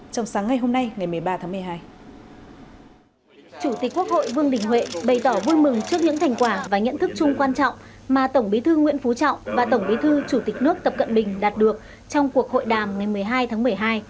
trong sáng ngày hôm nay ngày một mươi ba tháng một mươi hai chủ tịch quốc hội vương đình huệ bày tỏ vui mừng trước những thành quả và nhận thức chung quan trọng mà tổng bí thư nguyễn phú trọng và tổng bí thư chủ tịch nước tập cận bình đạt được trong cuộc hội đàm ngày một mươi hai tháng một mươi hai